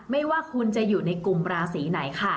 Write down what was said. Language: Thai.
ไม่ว่าคุณจะอยู่ในกลุ่มราศีไหนค่ะ